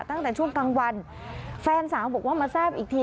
ตั้งแต่ช่วงกลางวันแฟนสาวบอกว่ามาทราบอีกที